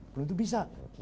belum tentu bisa